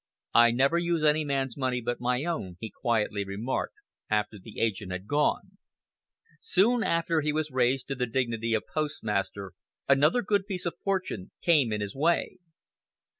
"I never use any man's money but my own," he quietly remarked, after the agent had gone. Soon after he was raised to the dignity of postmaster another piece of good fortune came in his way.